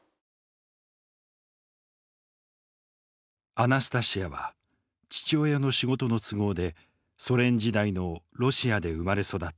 アナスタシヤは父親の仕事の都合でソ連時代のロシアで生まれ育った。